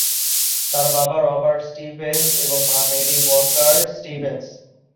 তার বাবা "Robert Stevens" এবং মা "মেরি ওয়াকার স্টিভেন্স"।